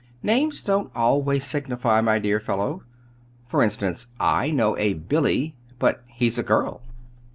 Names don't always signify, my dear fellow. For instance, I know a 'Billy' but he's a girl."